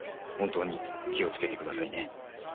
本当に気を付けてくださいね。